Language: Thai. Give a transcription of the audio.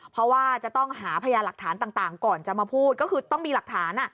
เพราะว่าจะต้องหาพยานหลักฐานต่างก่อนจะมาพูดก็คือต้องมีหลักฐาน